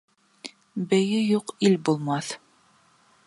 Бейе юҡ ил булмаҫ.